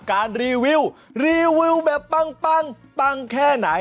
รีวิวรีวิวแบบปังปังแค่ไหน